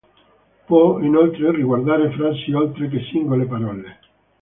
Può inoltre riguardare frasi oltre che singole parole.